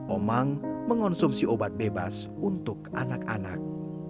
omang mengonsumsi obat bebas untuk anak anak